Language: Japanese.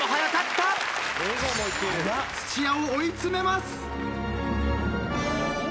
土屋を追い詰めます。